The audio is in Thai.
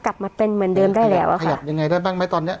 กลับมาเป็นเหมือนเดิมได้แล้วอ่ะขยับยังไงได้บ้างไหมตอนเนี้ย